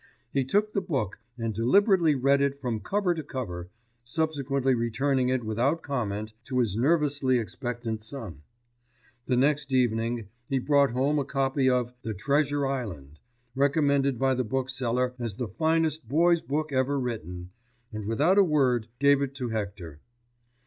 He took the book and deliberately read it from cover to cover, subsequently returning it without comment to his nervously expectant son. The next evening he brought home a copy of The Treasure Island, recommended by the bookseller as the finest boy's book ever written, and without a word gave it to Hector.